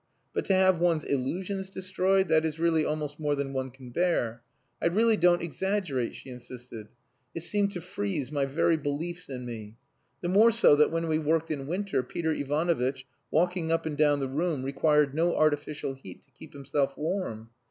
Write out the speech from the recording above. But to have one's illusions destroyed that is really almost more than one can bear. I really don't exaggerate," she insisted. "It seemed to freeze my very beliefs in me the more so that when we worked in winter Peter Ivanovitch, walking up and down the room, required no artificial heat to keep himself warm.